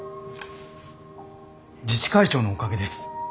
自治会長のおかげです。